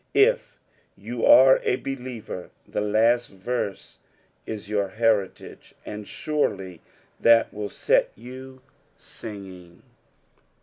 If you are a believer, the last veiBd is your heritage, and surely that will set you singing.